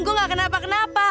gue nggak kenapa kenapa